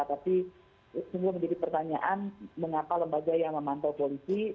tapi semua menjadi pertanyaan mengapa lembaga yang memantau polisi